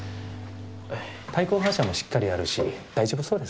対光反射もしっかりあるし大丈夫そうですね。